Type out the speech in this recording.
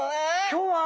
今日は。